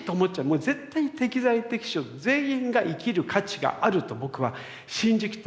もう絶対に適材適所全員が生きる価値があると僕は信じきってます。